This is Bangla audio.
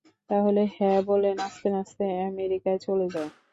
তাহলে হ্যাঁ বলে নাচতে নাচতে আমেরিকায় চলে যাও।